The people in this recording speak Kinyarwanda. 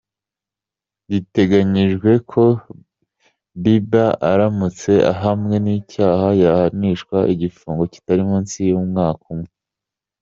Biteganyijwe ko Beiber aramutse ahamwe n’icyaha yahanishwa igifungo kitari munsi y’umwaka umwe.